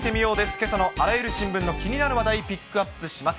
けさのあらゆる新聞の気になる話題、ピックアップします。